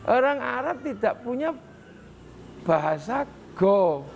orang arab tidak punya bahasa go